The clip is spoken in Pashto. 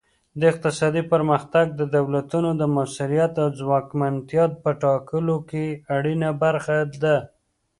اقتصادي پرمختګ د دولتونو د موثریت او ځواکمنتیا په ټاکلو کې اړینه برخه ده